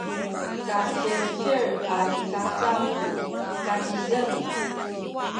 kasilsil a mikacaw tu kazizeng